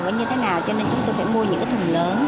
nó như thế nào cho nên chúng tôi phải mua những cái thùng lớn